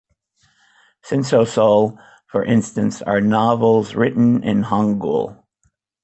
Sinsoseol, for instance, are novels written in hangul.